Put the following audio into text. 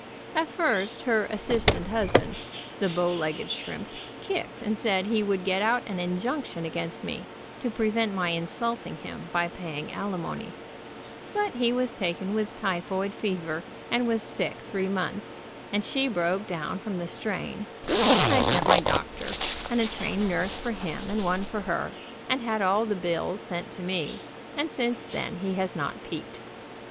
At first her assistant husband, the bow legged shrimp, kicked, and said he would get out an injunction against me, to prevent my insulting him by paying alimony, but he was taken with typhoid fever and was sick three months, and she broke down QUEER CASE IN NEW YORK 217 from the strain, and I sent my doctor, and a trained nurse for him, and one for her, and had all the bills sent to me, and since then he has not peeped.